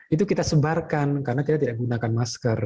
itu kita sebarkan karena kita tidak gunakan masker